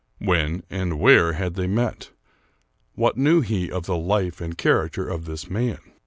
When and where had they met ? What knew he of the life and character of this man?